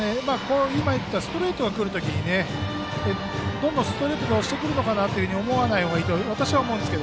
ストレートが来る時にどんどんストレートで押してくるのかなと思わないほうがいいと私は思います。